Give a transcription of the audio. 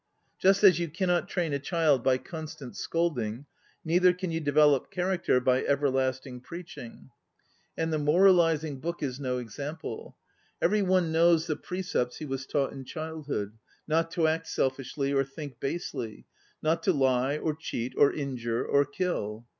Just as you cannot train a child by constant scolding, neither can you develop character by everlasting preaching. And the moralizing book is no ex ample. Everyone knows the pre cepts he was taught in childhood, ŌĆö not to act selfishly, or think basely; not to lie, or cheat, or injure, or kill.